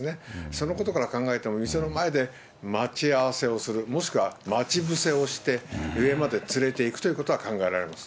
そのことから考えても、店の前で待ち合わせをする、もしくは待ち伏せをして、上まで連れていくということは考えられます。